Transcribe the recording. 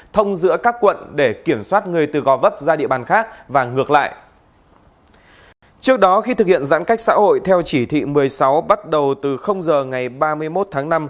trước đó khi thực hiện giãn cách xã hội theo chỉ thị một mươi sáu bắt đầu từ giờ ngày ba mươi một tháng năm